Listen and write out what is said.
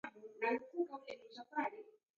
Inja modonyi nwao kuihoreshe eri igande.